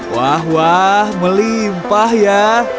wah wah melimpah ya